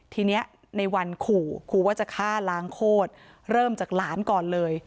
ทีนี้ในวันขู่ขู่ว่าจะฆ่าล้างโคตรเริ่มจากหลานก่อนเลย